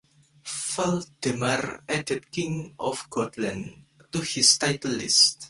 Valdemar added "King of Gotland" to his title list.